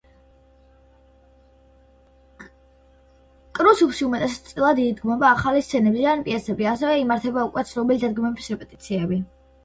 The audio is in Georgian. კრუსიბლში უმეტესწილად იდგმება ახალი სცენები ან პიესები, ასევე იმართება უკვე ცნობილი დადგმების რეპეტიციები.